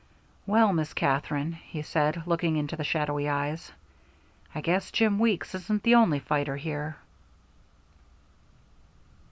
"Well, Miss Katherine," he said, looking into the shadowy eyes, "I guess Jim Weeks isn't the only fighter here."